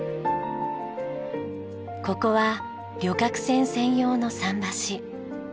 ここは旅客船専用の桟橋。